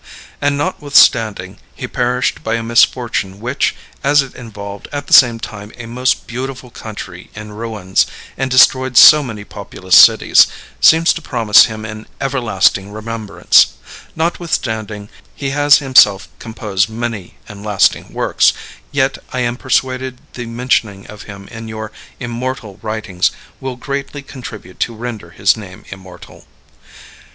And notwithstanding he perished by a misfortune which, as it involved at the same time a most beautiful country in ruins, and destroyed so many populous cities, seems to promise him an everlasting remembrance; notwithstanding he has himself composed many and lasting works, yet I am persuaded the mentioning of him in your immortal writings will greatly contribute to render his name immortal.